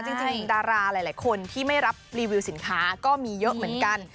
จริงดาราหลายคนที่ไม่รับรีวิวสินค้าก็มีเยอะเหมือนกัน